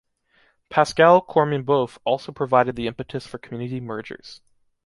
Pascal Corminboeuf also provided the impetus for community mergers.